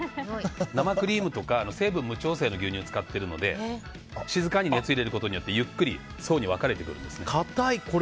生クリームとか成分無調整の牛乳を使っているので静かに熱を入れることによってゆっくり層に分かれてくるんですね。